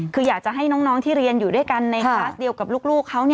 คืออยากจะให้น้องที่เรียนอยู่ด้วยกันในคลาสเดียวกับลูกเขา